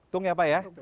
tung ya pak ya